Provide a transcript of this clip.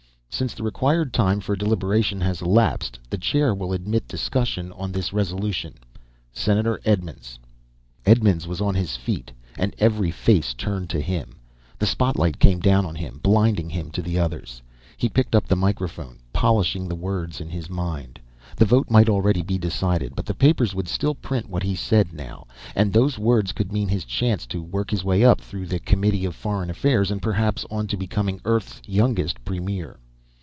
Since the required time for deliberation has elapsed, the chair will admit discussion on this resolution. Senator Edmonds!" Edmonds was on his feet, and every face turned to him. The spotlight came down on him, blinding him to the others. He picked up the microphone, polishing the words in his mind. The vote might already be decided, but the papers would still print what he said now! And those words could mean his chance to work his way up through the Committee of Foreign Affairs and perhaps on to becoming Earth's youngest premier.